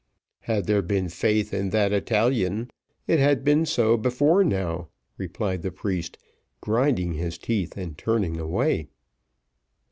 "Had there been faith in that Italian, it had been so before how," replied the priest, grinding his teeth, and turning away.